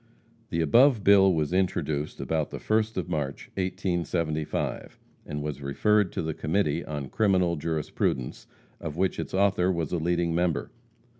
The above bill was introduced about the first of March, 1875, and was referred to the Committee on Criminal Jurisprudence, of which its author was a leading member.